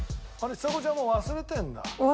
ちさ子ちゃんも忘れてるんだ。